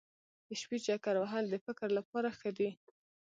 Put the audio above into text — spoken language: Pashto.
د شپې چکر وهل د فکر لپاره ښه دي.